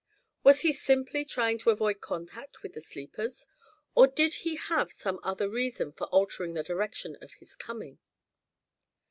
Was he simply trying to avoid contact with the sleepers, or did he have some other reason for altering the direction of his coming?